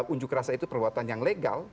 unjuk rasa itu perbuatan yang legal